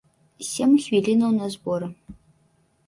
Сем хвілінаў на зборы.